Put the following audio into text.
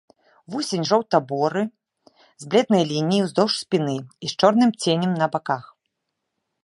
Вусень жоўта-буры, з бледнай лініяй уздоўж спіны і з чорным ценем на баках.